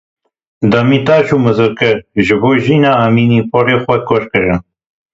Demîrtaş û Mizrakli ji bo Jîna Emînî porê xwe kur kirin.